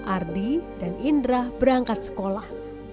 ardi dan indra berangkat sekolah